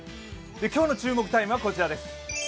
今日の注目タイムはこちらです。